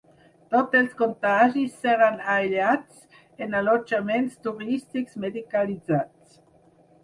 Tots els contagis seran aïllats en allotjaments turístics medicalitzats.